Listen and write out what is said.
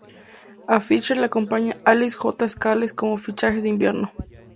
A Fisher le acompaña Alex J. Scales como fichajes de invierno.